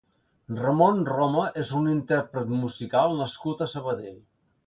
Rah-Mon Roma és un intérpret musical nascut a Sabadell.